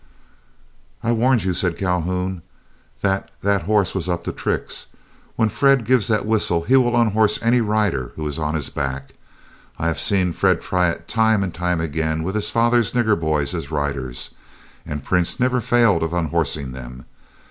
"I warned you," said Calhoun, "that that horse was up to tricks. When Fred gives that whistle he will unhorse any rider who is on his back. I have seen Fred try it time and time again with his father's nigger boys as riders, and Prince never failed of unhorsing them.